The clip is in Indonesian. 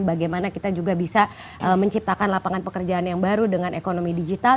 bagaimana kita juga bisa menciptakan lapangan pekerjaan yang baru dengan ekonomi digital